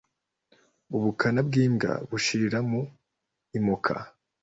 Ubukana bw’imbwa bushirira mu imoka.